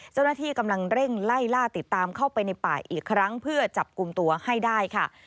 เจ้าหน้าที่กำลังเร่งไล่ล่าติดตามเข้าไปในป่าอีกครั้งเพื่อจับกลุ่มตัวให้ได้ค่ะ